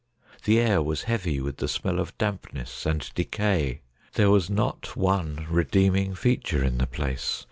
The air was heavy with the smell of dampness and decay. There was not one redeeming feature in the place.